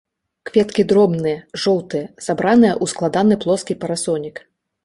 Кветкі дробныя, жоўтыя, сабраныя ў складаны плоскі парасонік.